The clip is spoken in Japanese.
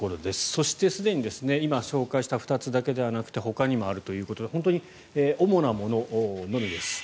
そして、すでに今、紹介した２つだけではなくてほかにもあるということで本当に主なもののみです。